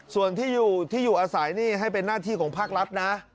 ส่วนที่อยู่ที่อยู่อาศัยนี่ให้เป็นหน้าที่ของภาครัฐนะ